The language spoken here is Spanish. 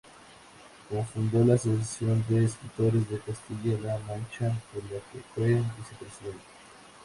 Cofundó la Asociación de Escritores de Castilla-La Mancha, de la que fue vicepresidente.